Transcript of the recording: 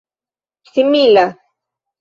simila